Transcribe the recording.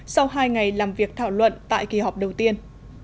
sau hai ngày làm việc thảo luận tại kỳ họp đầu tiên